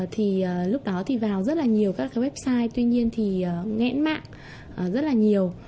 thì lúc đó thì vào rất là nhiều các cái website tuy nhiên thì nghẽn mạng rất là nhiều